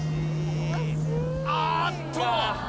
あーっと！